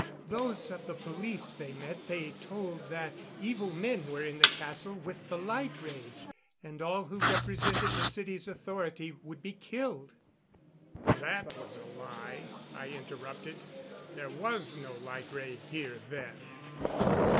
Those of the police they met they told that evil men were in the castle with the light ray, and all who represented the city's authority would be killed." "That was a lie," I interrupted. "There was no light ray here then."